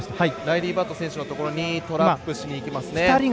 ライリー・バット選手のところにトラップしにいきますね。